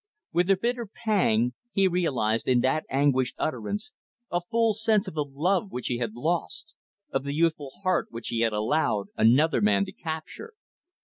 With a bitter pang, he realised in that anguished utterance a full sense of the love which he had lost, of the youthful heart which he had allowed another man to capture.